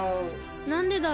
なんでだろう。